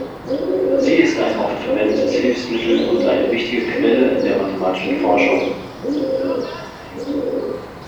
Sie ist ein oft verwendetes Hilfsmittel und eine wichtige Quelle in der mathematischen Forschung.